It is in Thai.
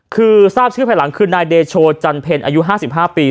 คือทราบชื่อภายหลังคือนายเดโชจันเพ็ญอายุ๕๕ปี